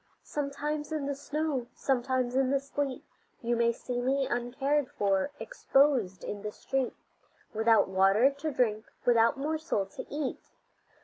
Sometimes in the snow, sometimes in the sleet; You may see me uncared for, exposed in the street Without water to drink, without morsel to eat.